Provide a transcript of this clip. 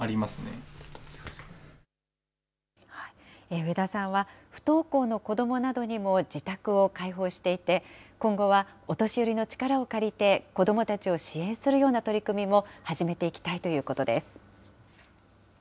上田さんは、不登校の子どもなどにも自宅を開放していて、今後はお年寄りの力を借りて、子どもたちを支援するような取り組みを始めていきたいということです。